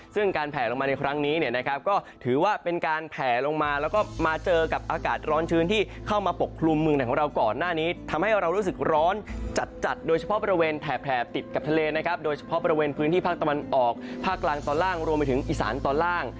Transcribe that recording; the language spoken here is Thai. ซึ่งการแผลลงมาในครั้งนี้เนี่ยนะครับก็ถือว่าเป็นการแผลลงมาแล้วก็มาเจอกับอากาศร้อนชื้นที่เข้ามาปกคลุมเมืองไหนของเราก่อนหน้านี้ทำให้เรารู้สึกร้อนจัดจัดโดยเฉพาะบริเวณแถบติดกับทะเลนะครับโดยเฉพาะบริเวณพื้นที่ภาคตะวันออกภาคกลางตอนล่างรวมไปถึงอีสานตอนล่าง